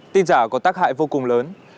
tin giả có tác hại vô cùng lớn